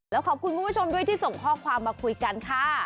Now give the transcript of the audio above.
แล้วขอบคุณคุณผู้ชมด้วยที่ส่งข้อความมาคุยกันค่ะ